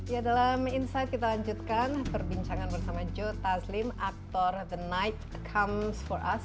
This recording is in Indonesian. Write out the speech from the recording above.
ya dalam insight kita lanjutkan perbincangan bersama joe taslim aktor the night comes for us